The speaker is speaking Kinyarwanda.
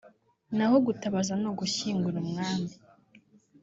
naho gutabaza ni ugushyingura umwami